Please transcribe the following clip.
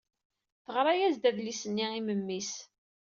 Teɣra-as-d adlis-nni i memmi-s.